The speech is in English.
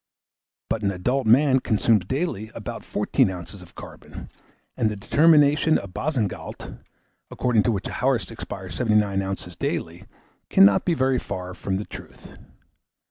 But an adult man consumes daily abut 14 oz. of carbon, and the determination of Boussingault, according to which a horse expires 79 oz. daily, cannot be very far from the truth.